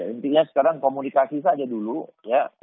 intinya sekarang komunikasi saja dulu ya